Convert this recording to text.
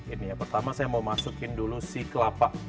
ini ya pertama saya mau masukin dulu si kelapa